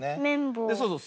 そうそう。